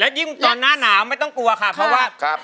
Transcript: และยิ่งตอนหน้าหนาวไม่ต้องกลัวค่ะ